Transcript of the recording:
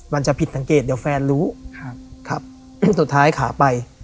มันจะผิดสังเกตเดี๋ยวแฟนรู้สุดท้ายขาไป